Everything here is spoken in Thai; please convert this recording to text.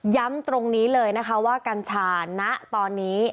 ตรงนี้เลยนะคะว่ากัญชาณตอนนี้